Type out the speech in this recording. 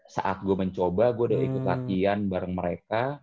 saat gue mencoba gue udah ikut latihan bareng mereka